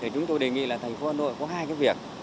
chúng tôi đề nghị là thành phố hà nội có hai cái việc